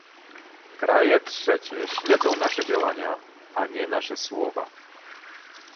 Kraje trzecie śledzą nasze działania, a nie nasze słowa